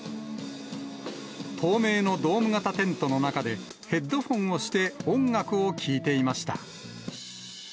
透明のドーム型テントの中で、ヘッドホンをして音楽を聴いていました。